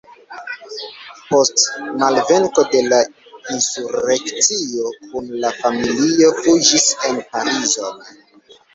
Post malvenko de la insurekcio kun la familio fuĝis en Parizon.